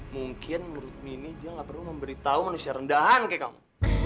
mungkin menurut mini dia gak perlu memberitahu manusia rendahan kayak kamu